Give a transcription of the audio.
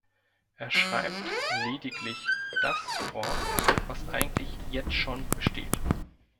Er schreibt lediglich das vor, was eigentlich jetzt schon besteht.